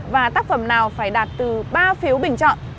và tác phẩm nào phải đạt từ ba phiếu bình chọn